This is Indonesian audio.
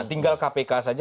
tinggal kpk saja